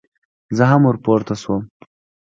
زه هم ور پورته شوم.